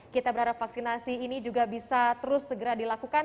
kita berharap vaksinasi ini juga bisa terus segera dilakukan